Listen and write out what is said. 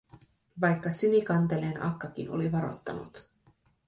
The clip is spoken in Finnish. Vaikka Sinikanteleen akkakin oli varottanut.